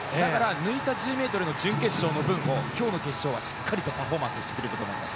だから抜いた準決勝の分を今日の決勝しっかりとパフォーマンスをしてくれると思います。